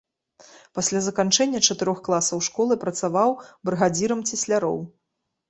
Пасля заканчэння чатырох класаў школы працаваў брыгадзірам цесляроў.